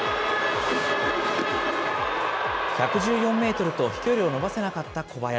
１１４メートルと飛距離を伸ばせなかった小林。